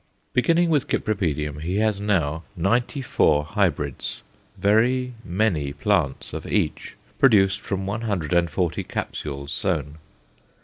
Beginning with Cypripedium, he has now ninety four hybrids very many plants of each produced from one hundred and forty capsules sown.